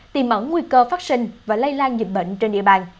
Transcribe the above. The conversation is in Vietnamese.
tìm ẩn nguy cơ phát sinh và lây lan dịch bệnh trên địa bàn